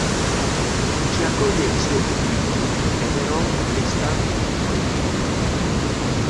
Chi accoglie il suo "invito" è però Lestat, un vampiro.